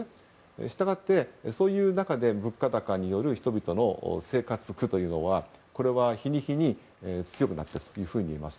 したがって、そういう中で物価高による人々の生活苦というのは日に日に強くなっているといえます。